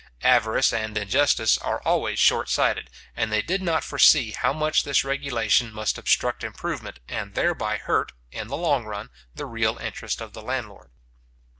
Avarice and injustice are always short sighted, and they did not foresee how much this regulation must obstruct improvement, and thereby hurt, in the long run, the real interest of the landlord.